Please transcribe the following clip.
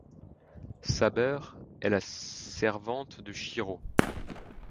Saber est la Servant de Shirō.